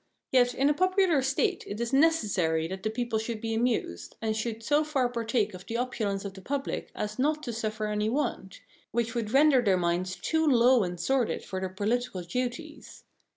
Yet in a popular State it is necessary that the people should be amused, and should so far partake of the opulence of the public as not to suffer any want, which would render their minds too low and sordid for their political duties.